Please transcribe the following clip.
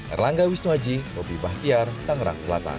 erlangga wisnuaji robby bahtiar tangerang selatan